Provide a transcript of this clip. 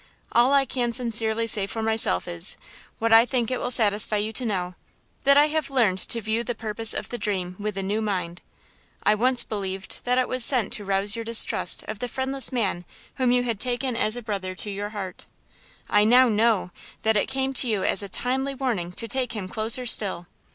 All I can sincerely say for myself is, what I think it will satisfy you to know, that I have learned to view the purpose of the Dream with a new mind. I once believed that it was sent to rouse your distrust of the friendless man whom you had taken as a brother to your heart. I now know that it came to you as a timely warning to take him closer still.